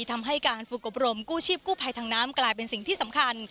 ทำให้การฝึกอบรมกู้ชีพกู้ภัยทางน้ำกลายเป็นสิ่งที่สำคัญ